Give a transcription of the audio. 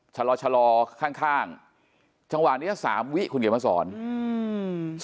ชะลอชะลอข้างข้างจังหวะเนี้ยสามวิคุณเขียนมาสอนอืม